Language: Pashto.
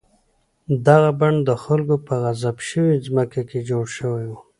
دغه بڼ د خلکو په غصب شوې ځمکه کې جوړ شوی و.